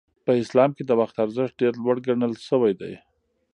په اسلام کې د وخت ارزښت ډېر لوړ ګڼل شوی دی.